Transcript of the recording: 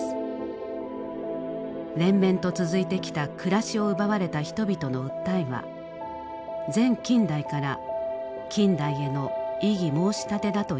連綿と続いてきた暮らしを奪われた人々の訴えは前近代から近代への異議申し立てだといいます。